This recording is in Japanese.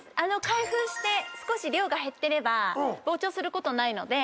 開封して少し量が減ってれば膨張することないので。